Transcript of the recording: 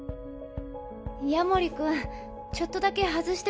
夜守君ちょっとだけ外してもらって。